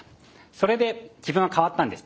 それで自分は変わったんです。